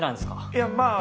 いやまあ